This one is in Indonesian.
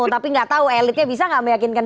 tapi gak tahu elitnya bisa gak meyakinkan